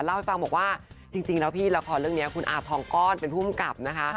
เล่าให้ฟังบอกว่าจริงแล้วพี่ละครเรื่องนี้คุณอาทองก้อนเป็นผู้กำกับนะคะ